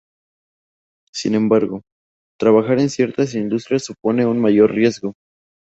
Sin embargo, trabajar en ciertas industrias supone un mayor riesgo.